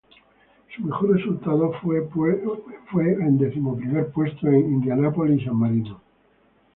Su mejor resultado fue un decimoprimer puesto en Indianápolis y San Marino.